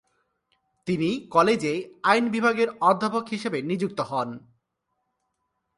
তিনি কলেজে আইন বিভাগের অধ্যাপক হিসেবে নিযুক্ত হন।